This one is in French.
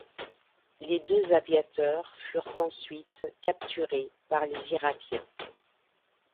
Les deux aviateurs furent ensuite capturés par les Irakiens.